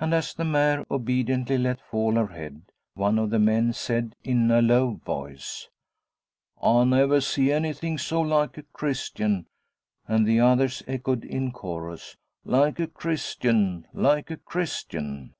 And, as the mare obediently let fall her head, one of the men said in a low voice, 'I never see anything so like a Christian!' and the others echoed, in chorus, 'Like a Christian like a Christian!'